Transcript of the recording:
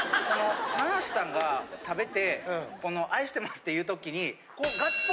棚橋さんが食べてこの「愛してます」って言う時に。